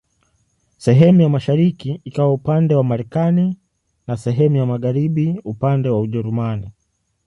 Sehemu ya mashariki ikawa upande wa Marekani na sehemu ya magharibi upande wa Ujerumani.